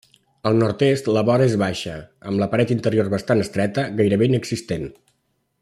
Al nord-est la vora és baixa, amb la paret interior bastant estreta, gairebé inexistent.